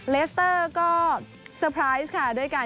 เรสเตอร์ก็เซอร์ไพรส์ค่ะ